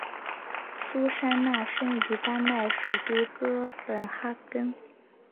苏珊娜生于丹麦首都哥本哈根。